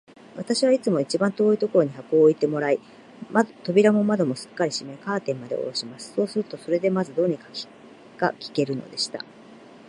私はいつも一番遠いところに箱を置いてもらい、扉も窓もすっかり閉め、カーテンまでおろします。そうすると、それでまず、どうにか聞けるのでした。